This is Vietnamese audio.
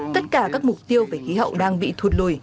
tất cả các mục tiêu về khí hậu đang bị thụt lùi